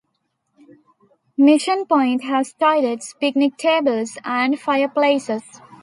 Mission Point has toilets, picnic tables and fireplaces.